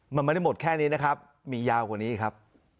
มันไม่ได้หมดแค่นี้นะครับมียาวกว่านี้ครับ